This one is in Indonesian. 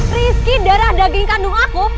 rizky darah daging kandung aku